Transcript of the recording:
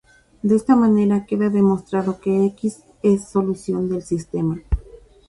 De esta manera, queda demostrado que "x" es solución del sistema.